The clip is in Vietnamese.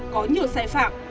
có nhiều sai phạm